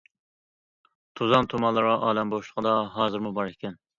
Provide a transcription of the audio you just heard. توزان تۇمانلىرى ئالەم بوشلۇقىدا ھازىرمۇ بار ئىكەن.